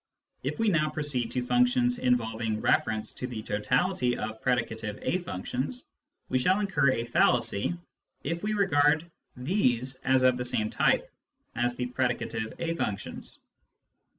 If we now proceed to functions involving reference to the totality of predicative ^ functions, we shall incur a fallacy if we regard these as of the same type as the predicative a i unctions.